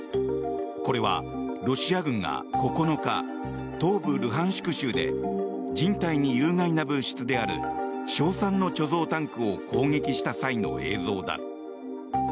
これは、ロシア軍が９日東部ルハンシク州で人体に有害な物質である硝酸の貯蔵タンクを攻撃した際の映像だ。